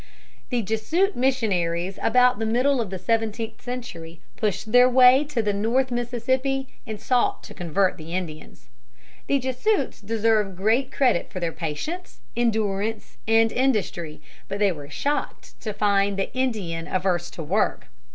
The Jesuit missionaries about the middle of the seventeenth century pushed their way to the North Mississippi and sought to convert the Indians. The Jesuits deserve great credit for their patience, endurance, and industry, but they were shocked to find the Indian averse to work.